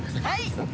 はい！